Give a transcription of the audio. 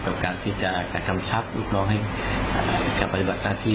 กับการที่จะออกกันคำชับหลุกนองให้การผลิปนักหน้าที่